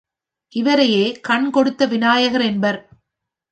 இவரையே கண் கொடுத்த விநாயகர் என்பர்.